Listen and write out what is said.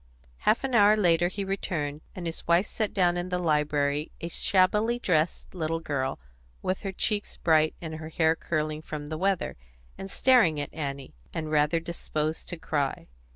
Half an hour later he returned, and his wife set down in the library a shabbily dressed little girl, with her cheeks bright and her hair curling from the weather, and staring at Annie, and rather disposed to cry.